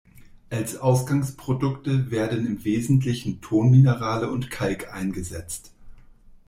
Als Ausgangsprodukte werden im Wesentlichen Tonminerale und Kalk eingesetzt.